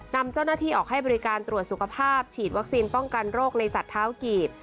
นำเจ้าหน้าที่ออกให้บริการตรวจสุขภาพฉีดวัคซีนป้องกันโรคในสัตว์เท้ากีบ